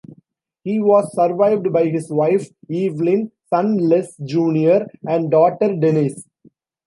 He was survived by his wife Evelyn, son Les Junior and daughter Denise.